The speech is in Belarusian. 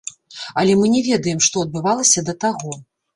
Але мы не ведаем, што адбывалася да таго.